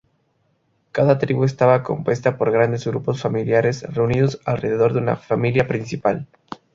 Cada tribu estaba compuesta por grandes grupos familiares, reunidos alrededor de una familia principal.